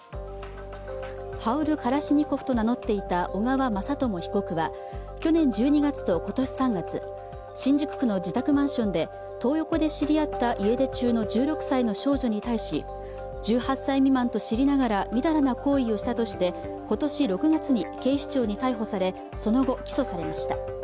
ハウル・カラシニコフと名乗っていた小川雅朝被告は去年１２月と今年３月新宿区の自宅マンションでトー横で知り合った家出中の１６歳の少女に対し１８歳未満と知りながらみだらな行為をしたとして今年６月に警視庁に逮捕されその後、起訴されました。